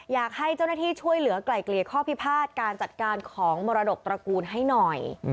อยากให้เจ้าหน้าที่ช่วยเหลือไกล่เกลี่ยข้อพิพาทการจัดการของมรดกตระกูลให้หน่อย